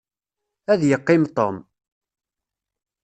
Ad yeqqim Tom.